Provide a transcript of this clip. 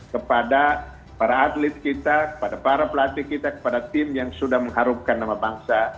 kepada para atlet kita kepada para pelatih kita kepada tim yang sudah mengharumkan nama bangsa